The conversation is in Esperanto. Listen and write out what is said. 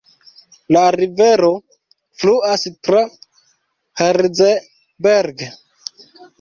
La rivero fluas tra Herzberg.